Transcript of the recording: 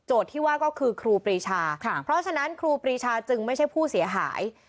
ที่ว่าก็คือครูปรีชาเพราะฉะนั้นครูปรีชาจึงไม่ใช่ผู้เสียหาย